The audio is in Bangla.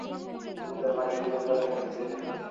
তিনি তার ভাইঝির ব্যাপারেও বলছিলেন।